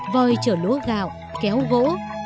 voi chở lúa gạo kéo gỗ